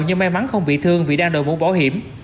nhưng may mắn không bị thương vì đang đòi muốn bỏ hiểm